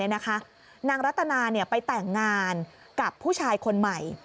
นางรัตนาไปแต่งงานกับผู้ชายคนใหม่